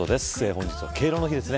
本日は敬老の日です。